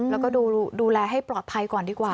แล้วก็ดูแลให้ปลอดภัยก่อนดีกว่า